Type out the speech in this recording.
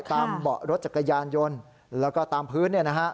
เบาะรถจักรยานยนต์แล้วก็ตามพื้นเนี่ยนะฮะ